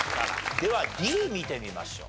ではＤ見てみましょう。